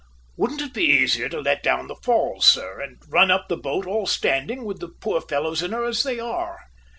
Wouldn't it be easier to let down the falls, sir, and run up the boat all standing with the poor fellows in her as they are?"